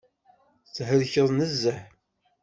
Thelkeḍ nezzeh.